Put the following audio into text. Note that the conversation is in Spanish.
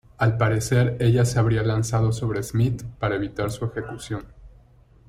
Al parecer, ella se habría lanzado sobre Smith para evitar su ejecución.